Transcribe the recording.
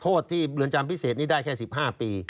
โทษที่เรือนจำพิเศษนี้ได้แค่๑๕ปี